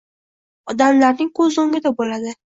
odamlarning ko‘z o‘ngida bo‘ladi.